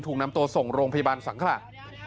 ถูกนำตัวส่งโรงพยาบาลสังขระ